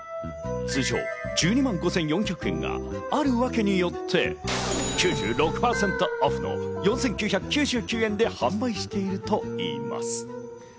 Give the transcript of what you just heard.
通常１２万５４００円があるワケによって９６％オフの４９９９円で販売しているといいます。